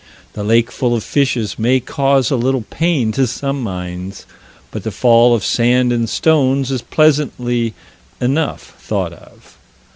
The lake full of fishes may cause a little pain to some minds, but the fall of sand and stones is pleasantly enough thought of.